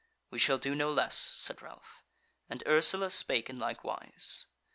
"We shall do no less," said Ralph; and Ursula spake in like wise.